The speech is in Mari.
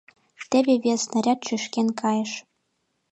Теве вес снаряд шӱшкен кайыш.